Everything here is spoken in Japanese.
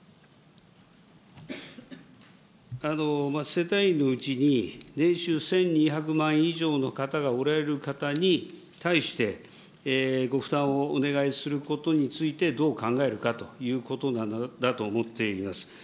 世帯のうちに、年収１２００万以上の方がおられる方に対して、ご負担をお願いすることについて、どう考えるかということだと思っています。